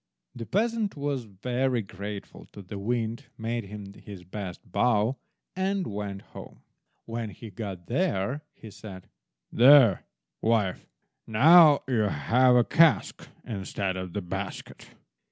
'" The peasant was very grateful to the Wind, made him his best bow, and went home. When he got there, he said— "There, wife, now you have a cask instead of the basket."